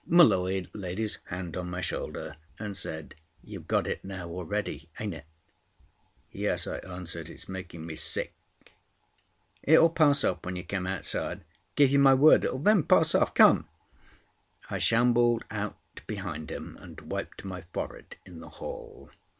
M'Leod laid his hand on my shoulder, and said "You've got it now already, ain't it?" "Yes," I answered. "It's making me sick!" "It will pass off when you come outside. I give you my word it will then pass off. Come!" I shambled out behind him, and wiped my forehead in the hall.